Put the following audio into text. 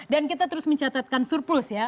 dan kita terus mencatatkan surplus ya